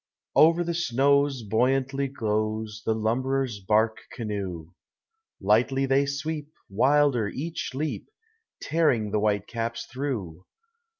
Over the Snows Buoyantly goes The lumberers' bark canoe: Lightly they sweep, Wilder each leap, Tearing the white caps through.